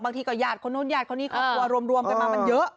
บางทีก็ญาติคนนู้นญาติคนนี้ครอบครัวรวมกันมามันเยอะ